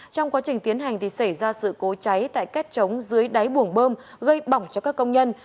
trong quá trình tiến hành thì xảy ra sự cố cháy tại kết trống dưới đáy buồng bơm gây bỏng cho các công nhân